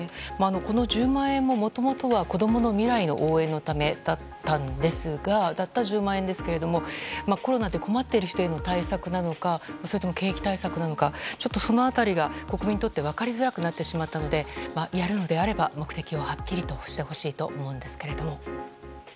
この１０万円も、もともとは子どもの未来の応援のためだったんですが、たった１０万円ですけれども、コロナで困っている人への対策なのか、それとも景気対策なのか、ちょっとそのあたりが国民にとって分かりづらくなってしまったので、やるのであれば、目的をはっきりとしてほしいと思うんですけれども。